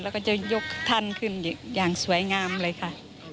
แล้วก็จะยกท่านขึ้นอย่างสวยงามเลยค่ะ